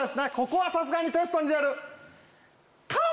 ここはさすがにテストに出る。